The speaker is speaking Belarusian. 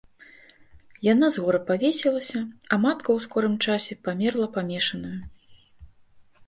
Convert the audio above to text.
Яна з гора павесілася, а матка ў скорым часе памерла памешанаю.